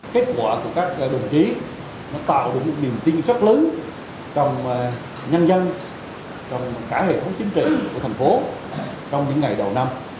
kết quả của các đồng chí nó tạo được một niềm tin rất lớn trong nhân dân trong cả hệ thống chính trị của thành phố trong những ngày đầu năm